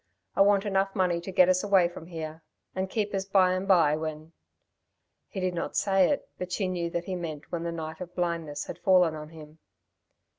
I want enough money to get us away from here and keep us by and by when " He did not say it, but she knew that he meant when the night of blindness had fallen on him.